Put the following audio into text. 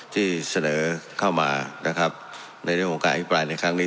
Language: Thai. ที่เสนอเข้ามานะครับในเรื่องของการอภิปรายในครั้งนี้